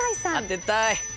当てたい。